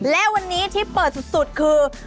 และวันนี้ที่เปิดสุดคือ